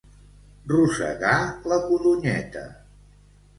Rosegar la codonyeta.